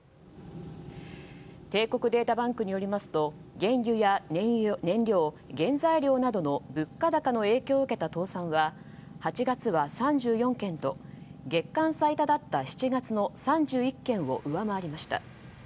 帝国データバンクによりますと原油や燃油や燃料、原材料などの物価高の影響を受けた倒産は８月は３４件と月間最多だった７月の３１件を上回りました。